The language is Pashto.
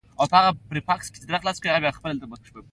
کښتۍ د ډبرین دیوال په خوا کې جل واهه.